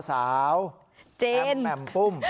สาวเจนแม่มปุ้ม